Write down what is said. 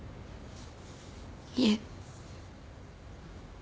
いえ。